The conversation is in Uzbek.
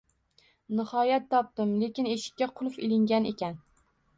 Nihoyat, topdim, lekin eshikka qulf ilingan ekan